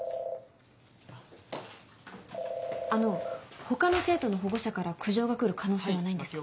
あの他の生徒の保護者から苦情が来る可能性はないんですか？